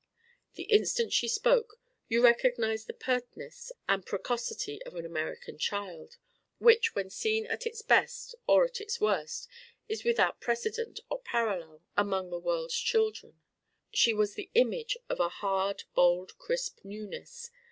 The instant she spoke, you recognized the pertness and precocity of an American child which, when seen at its best or at its worst, is without precedent or parallel among the world's children. She was the image of a hard bold crisp newness.